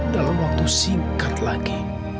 dalam waktu singkat lagi